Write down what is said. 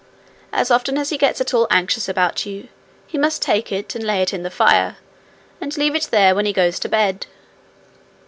As often as he gets at all anxious about you, he must take it and lay it in the fire, and leave it there when he goes to bed.